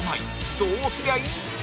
どうすりゃいいんだ？